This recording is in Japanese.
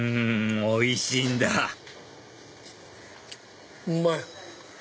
おいしいんだうまい！